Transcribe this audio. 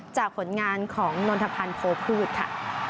ผลงานของนนทพันธ์โพพืชค่ะ